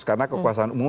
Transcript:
karena kekuasaan umum